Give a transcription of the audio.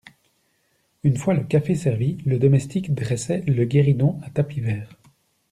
Une fois le café servi, le domestique dressait le guéridon à tapis vert.